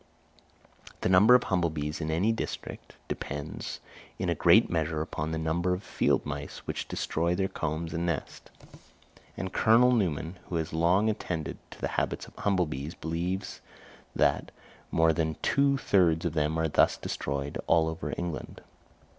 The number of humble bees in any district depends in a great measure upon the number of field mice, which destroy their combs and nests; and Colonel Newman, who has long attended to the habits of humble bees, believes that "more than two thirds of them are thus destroyed all over England."